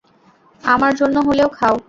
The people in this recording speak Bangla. আমার জন্য হলেও খাও!